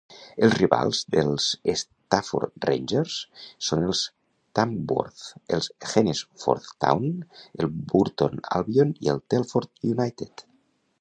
Els rivals dels Stafford Rangers són el Tamworth, el Hednesford Town, el Burton Albion i el Telford United.